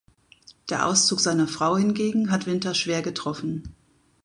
Der Auszug seiner Frau hingegen hat Winter schwer getroffen.